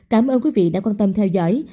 cảm ơn quý vị đã quan tâm theo dõi